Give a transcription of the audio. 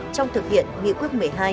trong thực hiện nghị quyết một mươi hai